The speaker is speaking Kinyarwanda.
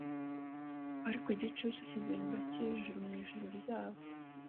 Ariko igicucu kigenda kijuru mwijuru ryabo